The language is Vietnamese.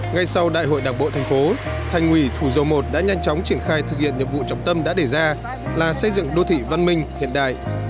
ngay sau đại hội đảng bộ thành phố thành ủy thủ dầu một đã nhanh chóng triển khai thực hiện nhiệm vụ trọng tâm đã đề ra là xây dựng đô thị văn minh hiện đại